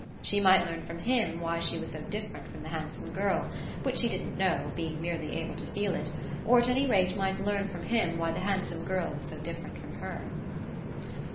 She might learn from HIM why she was so different from the handsome girl which she didn't know, being merely able to feel it; or at any rate might learn from him why the handsome girl was so different from her.